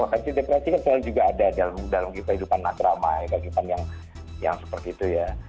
potensi depresi kan selalu juga ada dalam kehidupan nagramai kehidupan yang seperti itu ya